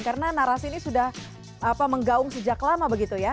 karena narasi ini sudah menggaung sejak lama begitu ya